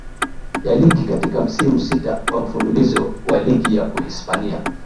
Ya ligi katika msimu sita wa mfululizo wa ligi ya Uhispania